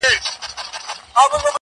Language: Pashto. • تا ويل له سره ماله تېره يم خو.